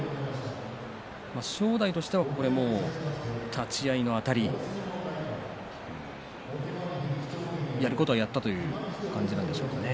正代としては立ち合いのあたりやることはやったという感じなんでしょうかね。